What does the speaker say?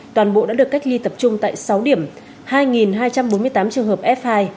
toàn bộ đã được cách ly tập trung tại sáu điểm hai hai trăm bốn mươi tám trường hợp f hai